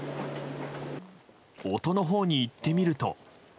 音のほうに行ってみると。